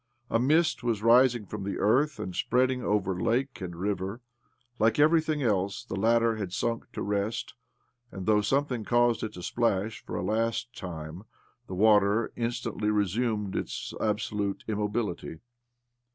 A mist was rising from' the earth, and spreading over lake and river. Like everything else, the latter had sunk to rest ; and though something caused it to splash for a last time, the water instantly resumed its absolute immobility.